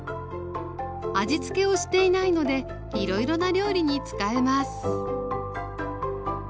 味つけをしていないのでいろいろな料理に使えます